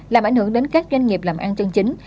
làm ảnh hưởng đến các doanh nghiệp làm ăn chân chính